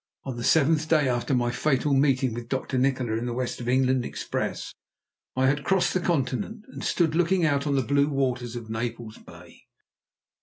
on the seventh day after my fatal meeting with Dr. Nikola in the West of England express, I had crossed the Continent, and stood looking out on the blue waters of Naples Bay.